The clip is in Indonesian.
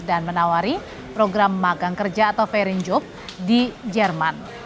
dan menawari program magang kerja atau verenjob di jerman